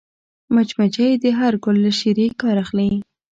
مچمچۍ د هر ګل له شيرې کار اخلي